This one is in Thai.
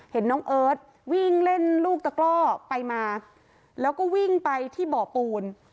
เห็นน้องเอิร์ทวิ่งเล่นลูกตะกล้อไปมาแล้วก็วิ่งไปที่บ่อปูน